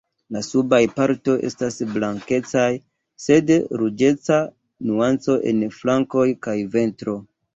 La subaj partoj estas blankecaj, sed kun ruĝeca nuanco en flankoj kaj ventro.